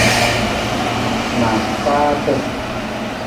Naafaata.